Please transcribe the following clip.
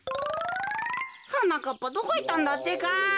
はなかっぱどこいったんだってか。